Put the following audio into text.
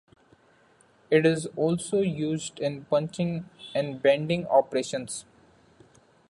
It is also used in punching and bending operations.